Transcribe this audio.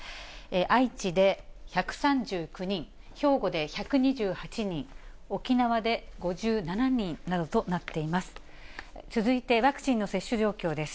愛知で１３９人、兵庫で１２８人、沖縄で５７人などとなっています。